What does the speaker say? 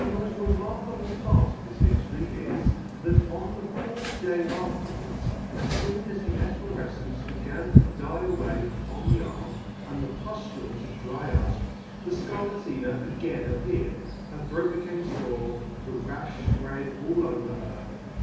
Bat the moft remarkable part of this hiftory is, that on the fourth day afterwards, as foon as the effiorefcence began to die away upon the arm, and the puftule to dry up, the Scar latina again appeared, her throat became fore, the rafh fpread all over her.